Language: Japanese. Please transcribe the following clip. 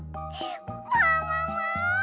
ももも！